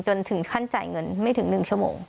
ถึงขั้นจ่ายเงินไม่ถึง๑ชั่วโมง